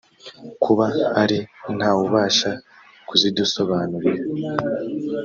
kuba ari nta wubasha kuzidusobanurira